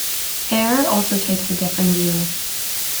Hare also takes a different view.